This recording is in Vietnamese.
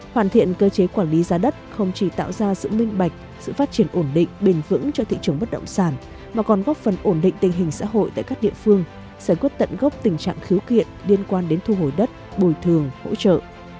hoàn thiện cơ chế quản lý giá đất không chỉ tạo ra sự minh bạch sự phát triển ổn định bền vững cho thị trường bất động sản mà còn góp phần ổn định tình hình xã hội tại các địa phương giải quyết tận gốc tình trạng khiếu kiện liên quan đến thu hồi đất bồi thường hỗ trợ